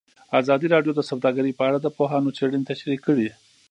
ازادي راډیو د سوداګري په اړه د پوهانو څېړنې تشریح کړې.